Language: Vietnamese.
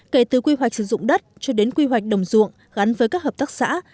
kể từ quy hoạch sử dụng đất cho đến quy hoạch đồng ruộng gắn với các hợp tác xã